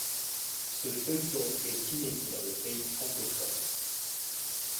Ce feuilleton est inédit dans les pays francophones.